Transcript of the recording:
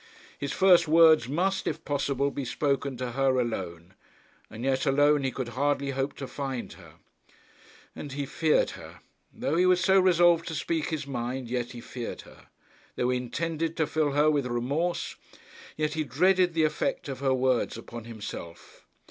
His first words must, if possible, be spoken to her alone; and yet alone he could hardly hope to find her. And he feared her. Though he was so resolved to speak his mind, yet he feared her. Though he intended to fill her with remorse, yet he dreaded the effect of her words upon himself.